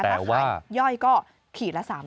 แต่ว่าถ้าไข่ย่อยก็ขี่ละ๓๐๐บาท